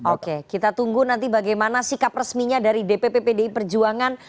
oke kita tunggu nanti bagaimana sikap resminya dari dpp pdi perjuangan